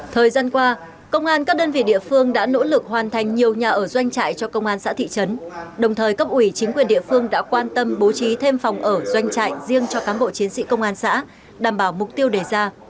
thời gian qua công an các đơn vị địa phương đã nỗ lực hoàn thành nhiều nhà ở doanh trại cho công an xã thị trấn đồng thời cấp ủy chính quyền địa phương đã quan tâm bố trí thêm phòng ở doanh trại riêng cho cán bộ chiến sĩ công an xã đảm bảo mục tiêu đề ra